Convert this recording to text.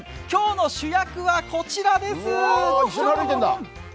今日の主役はこちらです！